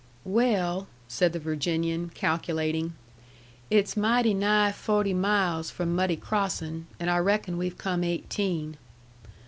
"Well," said the Virginian, calculating, "it's mighty nigh fo'ty miles from Muddy Crossin', an' I reckon we've come eighteen."